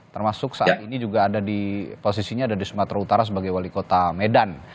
termasuk saat ini juga ada di posisinya ada di sumatera utara sebagai wali kota medan